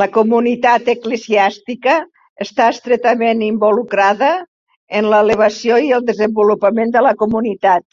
La comunitat eclesiàstica està estretament involucrada en l'elevació i el desenvolupament de la comunitat.